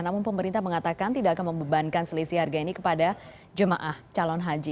namun pemerintah mengatakan tidak akan membebankan selisih harga ini kepada jemaah calon haji